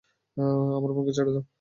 আমার বোনকে ছেড়ে দাও!